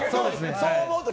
そう思うと。